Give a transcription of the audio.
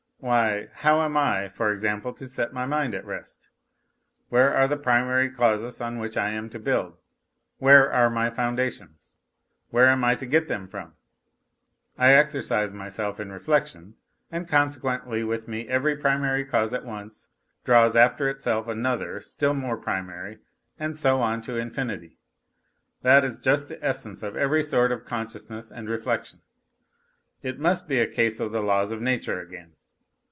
Why, how am I, for example to set my mind at rest ? Where are the primary causes on which I am to build ? Where are my foundations ? Where am I to get them from ? I exercise myself in reflection, and consequently with me every primary cause at once draws after itself another still more primary, and so on to infinity. That is just the essence of every sort of consciousness and reflection. It must be a case of the laws of nature again.